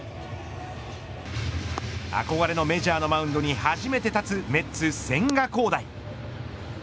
憧れのメジャーのマウンドに初めて立つメッツ千賀滉大。